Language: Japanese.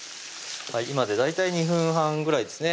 今で大体２分半ぐらいですね